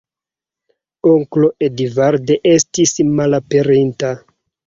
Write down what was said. Onklo Edvard estis malaperinta.